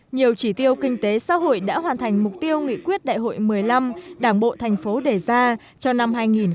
nhiều chỉ tiêu kinh tế xã hội đã hoàn thành mục tiêu nghị quyết đại hội một mươi năm đảng bộ thành phố đề ra cho năm hai nghìn hai mươi